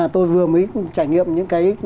tôi vừa mới trải nghiệm những cái